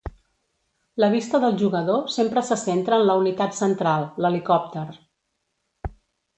La vista del jugador sempre se centra en la unitat central, l'helicòpter.